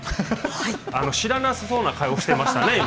知らなさそうな顔をしていましたね？